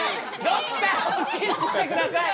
ドクターを信じてください！